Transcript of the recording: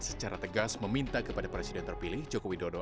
secara tegas meminta kepada presiden terpilih joko widodo